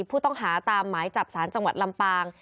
ผู้ต้องหาตามหมายจับสารจังหวัดลำปาง